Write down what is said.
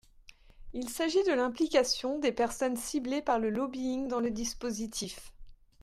Il s’agit de l’implication des personnes ciblées par le lobbying dans le dispositif.